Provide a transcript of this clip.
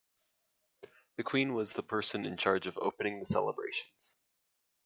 The queen was the person in charge of opening the celebrations.